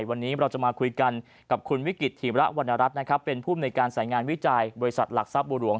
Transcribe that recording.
วันนี้เราจะมาคุยกันกับคุณวิกฤตธีระวรรณรัฐนะครับเป็นภูมิในการสายงานวิจัยบริษัทหลักทรัพย์บัวหลวง